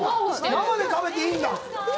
生で食べていいんだ。